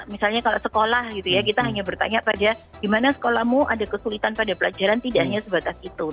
misalnya kalau sekolah gitu ya kita hanya bertanya pada di mana sekolahmu ada kesulitan pada pelajaran tidak hanya sebatas itu